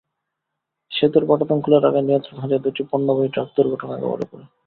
সেতুর পাটাতন খুলে রাখায় নিয়ন্ত্রণ হারিয়ে দুটি পণ্যবাহী ট্রাক দুর্ঘটনার কবলে পড়ে।